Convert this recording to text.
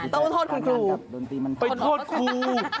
ต้องโทษคุณครูไปโทษครู